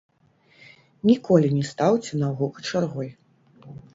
Ніколі не стаўце нагу качаргой.